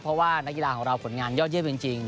เพราะว่านักกีฬาของเราผลงานยอดเยี่ยมจริง